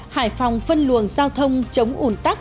hải phòng phân luồng giao thông chống ủn tắc